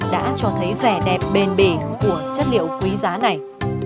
đã cho thấy vẻ đẹp bền bỉ của chất liệu quý giá này